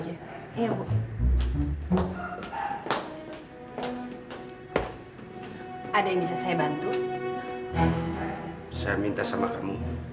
jangan coba coba mendekat